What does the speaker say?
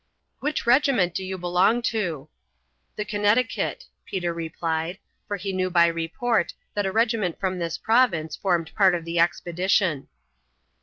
"Which regiment do you belong to?" "The Connecticut," Peter replied, for he knew by report that a regiment from this province formed part of the expedition.